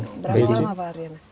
berapa lama pak ardhiana